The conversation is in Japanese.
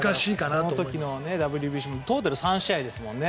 その時のＷＢＣもトータル３試合ですもんね。